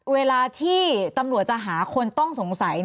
เวลาที่ตำรวจจะหาคนต้องสงสัย